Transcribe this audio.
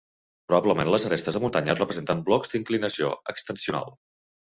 Probablement les arestes de muntanya representen blocs d'inclinació extensional.